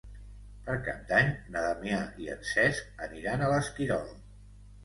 Per Cap d'Any na Damià i en Cesc aniran a l'Esquirol.